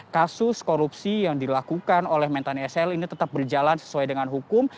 kasus korupsi yang dilakukan oleh mentan sl ini tetap berjalan sesuai dengan hukum